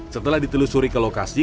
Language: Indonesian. setelah ditelusuri ke lokasi